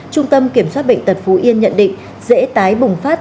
trung tâm kiểm soát bệnh tật phú yên nhận định dễ tái bùng phát